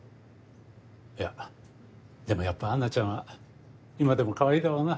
いやでもやっぱ安奈ちゃんは今でも可愛いだろうなぁ。